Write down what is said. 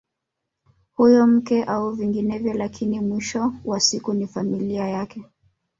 Huyo mke au vinginevyo lakini mwisho wa siku ni familia yake